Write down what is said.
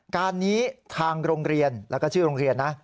การนี้ทางโรงเรียนแล้วก็ชื่อโรงเรียนนะ